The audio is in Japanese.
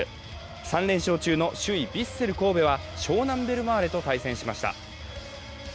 ３連勝中の首位ヴィッセル神戸は湘南ベルマーレと対戦しました。